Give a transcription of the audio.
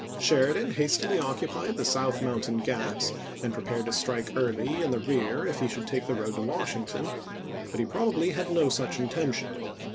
Sheridan hastily occupied the South Mountain gaps, and prepared to strike Early in the rear if he should take the road to Washington; but he probably had no such intention.